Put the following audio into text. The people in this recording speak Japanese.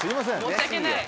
申し訳ない。